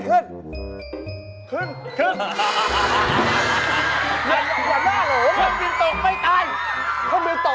โหดักสองอันสอง